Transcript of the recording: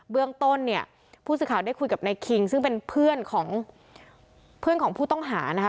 เบื้องต้นผู้สื่อข่าวได้คุยกับนายคิงซึ่งเป็นเพื่อนของผู้ต้องหานะคะ